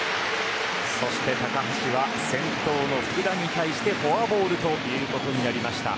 そして、高橋は先頭の福田に対してフォアボールということになりました。